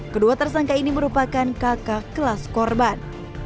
kedua tersangka ini merupakan kakak kelas korban